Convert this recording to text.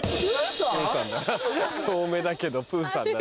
遠目だけどプーさんだな。